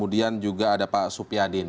dan juga ada pak supiadin